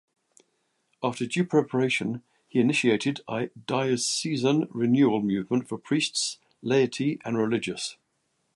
After due preparation, he initiated a Diocesan Renewal Movement for priests, laity and religious.